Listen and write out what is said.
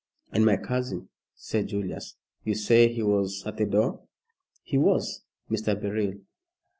"And my cousin," said Julius. "You say he was at the door?" "He was, Mr. Beryl.